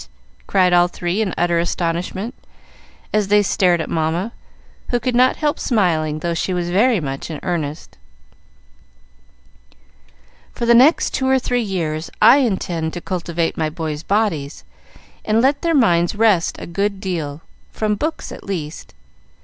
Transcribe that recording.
cried all three, in utter astonishment, as they stared at Mamma, who could not help smiling, though she was very much in earnest. "For the next two or three years I intend to cultivate my boys' bodies, and let their minds rest a good deal, from books at least.